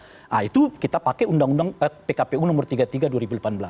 nah itu kita pakai undang undang pkpu nomor tiga puluh tiga dua ribu delapan belas